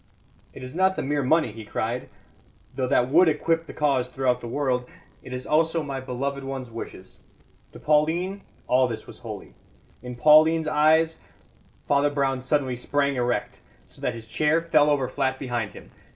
"It is not the mere money," he cried, "though that would equip the cause throughout the world. It is also my beloved one's wishes. To Pauline all this was holy. In Pauline's eyes " Father Brown suddenly sprang erect, so that his chair fell over flat behind him.